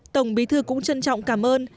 tổng bí thư cũng trân trọng cảm ơn